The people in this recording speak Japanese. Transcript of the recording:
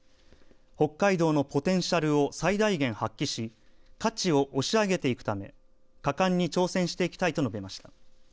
北海道のポテンシャルを最大限発揮し価値を押し上げていくため果敢に挑戦していきたいと述べました。